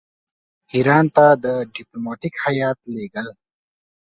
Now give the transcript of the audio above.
ایران ته ډیپلوماټیک هیات لېږل.